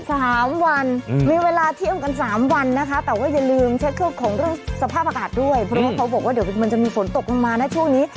สามวันอืมมีเวลาเที่ยวกันสามวันนะคะแต่ว่าอย่าลืมเช็คเครื่องของเรื่องสภาพอากาศด้วยเพราะว่าเขาบอกว่าเดี๋ยวมันจะมีฝนตกลงมานะช่วงนี้